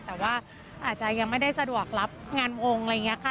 แต่ว่าอาจจะยังไม่ได้สะดวกรับงานวงอะไรอย่างนี้ค่ะ